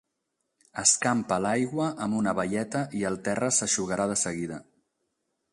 Escampa l'aigua amb una baieta i el terra s'eixugarà de seguida.